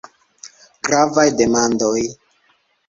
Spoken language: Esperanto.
Gravaj demandoj.